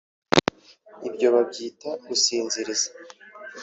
Ibyo babyita gusinziriza